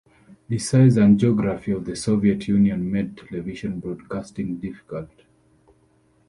The size and geography of the Soviet Union made television broadcasting difficult.